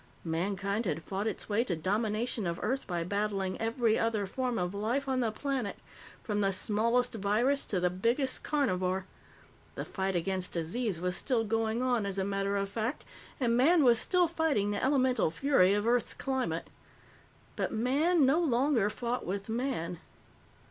Mankind had fought its way to domination of Earth by battling every other form of life on the planet, from the smallest virus to the biggest carnivore. The fight against disease was still going on, as a matter of fact, and Man was still fighting the elemental fury of Earth's climate. But Man no longer fought with Man.